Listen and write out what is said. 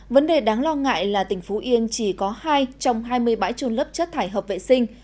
vấn đề đáng lo ngại là tỉnh phú yên chỉ có hai trong hai mươi bãi trôn lấp chất thải hợp vệ sinh